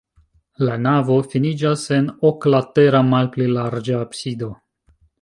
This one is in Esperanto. La navo finiĝas en oklatera, malpli larĝa absido.